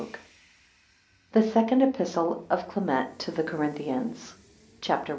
] THE SECOND EPISTLE OF CLEMENT TO THE CORINTHIANS CHAPTER I.